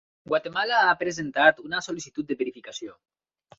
Guatemala ha presentat una sol·licitud de verificació.